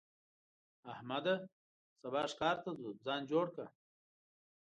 احمده! سبا ښکار ته ځو؛ ځان جوړ کړه.